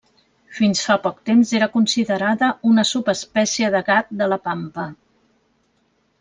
Fins fa poc temps, era considerada una subespècie de gat de la Pampa.